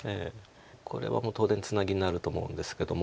これはもう当然ツナギになると思うんですけども。